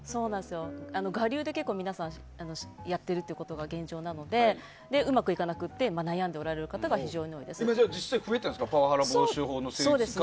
我流で結構皆さんやってるということが現状なのでうまくいかなくて悩んでおられる方が多いようです。